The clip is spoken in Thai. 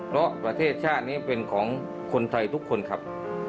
เพราะประเทศชาตินี้เป็นของคนไทยทุกคนครับ